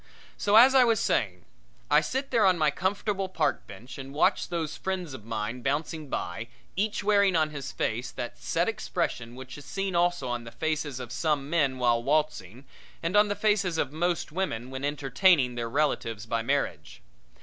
So, as I was saying, I sit there on my comfortable park bench and watch those friends of mine bouncing by, each wearing on his face that set expression which is seen also on the faces of some men while waltzing, and on the faces of most women when entertaining their relatives by marriage.